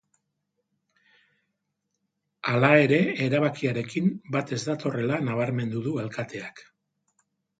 Hala ere, erabakiarekin bat ez datorrela nabarmendu du alkateak.